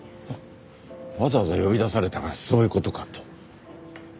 わざわざ呼び出されたのはそういう事かと。